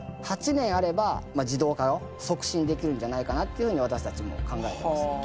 ８年あれば自動化を促進できるんじゃないかなっていうふうに私たちも考えてますね。